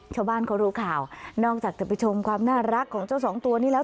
ชาวบ้านเขารู้ข่าวนอกจากจะไปชมความน่ารักของเจ้าสองตัวนี้แล้ว